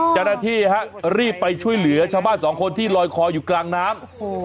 เจ้าหน้าที่ฮะรีบไปช่วยเหลือชาวบ้านสองคนที่ลอยคออยู่กลางน้ำ